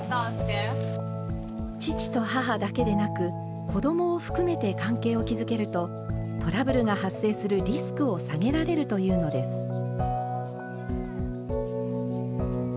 父と母だけでなく子どもを含めて関係を築けるとトラブルが発生するリスクを下げられるというのです。